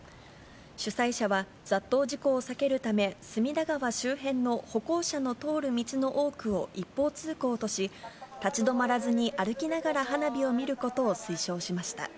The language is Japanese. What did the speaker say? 主催者は、雑踏事故を避けるため、隅田川周辺の歩行者の通る道の多くを一方通行とし、立ち止まらずに歩きながら花火を見ることを推奨しました。